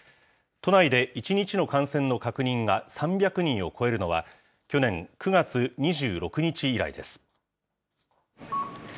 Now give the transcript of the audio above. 都内で１日の感染の確認が３００人を超えるのは、去年９月２６日以来です。